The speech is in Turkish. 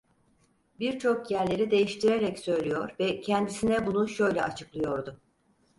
Birçok yerleri değiştirerek söylüyor ve kendisine bunu şöyle açıklıyordu: